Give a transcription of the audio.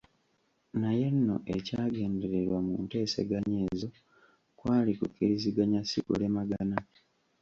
Naye nno ekyagendererwa mu nteeseganya ezo kwali kukkiriziganya si kulemagana.